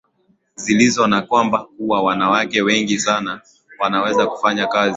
zilizo na kwamba kuna wanawake wengi sana wanaweza kufanya kazi